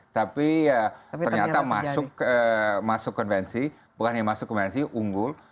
tapi ternyata masuk konvensi bukan hanya masuk konvensi unggul